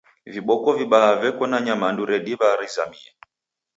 Viboko vibaha veko na nyamandu rediw'a rizamie.